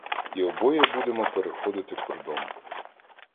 І обоє будемо переходити кордон.